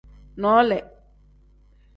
Noole.